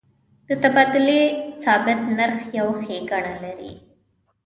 د تبادلې ثابت نرخ یو ښیګڼه لري.